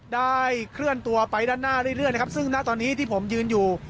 ได้เคลื่อนตัวไปด้านหน้าเรื่อยนะครับซึ่งณตอนนี้ที่ผมยืนอยู่